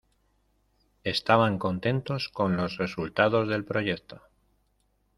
Estaban contentos con los resultados del proyecto.